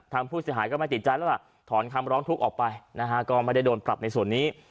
ทางผู้เสียหายก็ไม่ติดใจแล้วล่ะถอนคำร้องทุกข์ออกไปนะฮะก็ไม่ได้โดนปรับในส่วนนี้